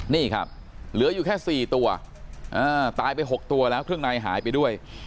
นี่ครับเหลืออยู่แค่๔ตัวตายไป๖ตัวแล้วเครื่องในหายไปด้วย